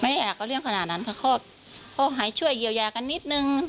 ไม่ได้อยากเอาเรื่องขนาดนั้นเขาหายช่วยเยียวยากันนิดนึง